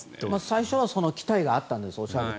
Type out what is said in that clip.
最初はその期待があったんですね。